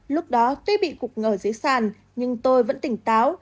lúc đó tuy bị cục ngờ dưới sàn nhưng tôi vẫn tỉnh táo